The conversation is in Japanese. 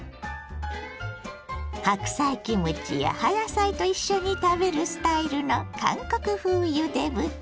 白菜キムチや葉野菜と一緒に食べるスタイルの韓国風ゆで豚。